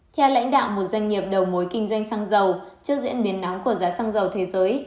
theo lãnh đạo một doanh nghiệp đầu mối kinh doanh xăng dầu trước diễn biến nóng của giá xăng dầu thế giới